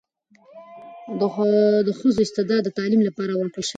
د ښځو استعداد د تعلیم لپاره ورکړل شوی دی.